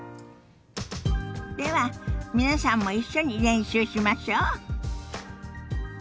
では皆さんも一緒に練習しましょ。